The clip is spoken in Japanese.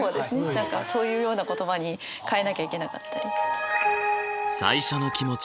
何かそういうような言葉に変えなきゃいけなかったり。